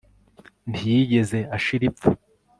ntiyigeze ashira ipfa